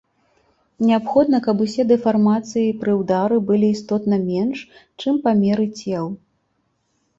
Неабходна, каб усе дэфармацыі пры ўдары былі істотна менш, чым памеры цел.